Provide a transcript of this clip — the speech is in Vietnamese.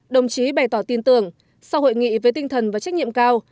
đồng chí bày tỏ tin tưởng sau hội nghị với tinh thần và trách nhiệm cao